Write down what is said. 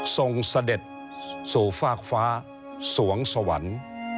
เสด็จสู่ฟากฟ้าสวงสวรรค์